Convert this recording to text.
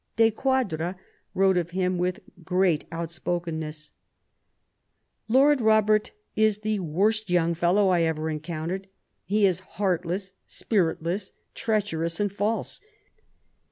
De Quadra wrote of him with great outspokenness :'* Lord Robert is the worst young fellow I ever encountered. He is heartless, spiritless, treacherous, and false."